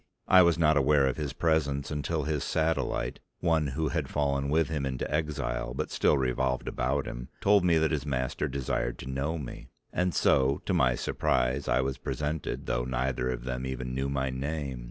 I was not aware of his presence until his satellite, one who had fallen with him into exile but still revolved about him, told me that his master desired to know me; and so to my surprise I was presented though neither of them even knew my name.